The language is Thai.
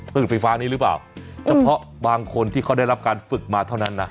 ฝึกไฟฟ้านี้หรือเปล่าเฉพาะบางคนที่เขาได้รับการฝึกมาเท่านั้นนะ